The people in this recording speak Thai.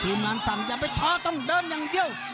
งานสั่งอย่าไปท้อต้องเดินอย่างเดียว